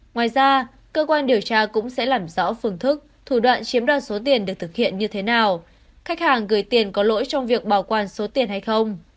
ngoài ra cơ quan điều tra cũng sẽ làm rõ phương thức thủ đoạn chiếm đoạt số tiền được thực hiện như thế nào khách hàng gửi tiền có lỗi trong việc bảo quản số tiền hay không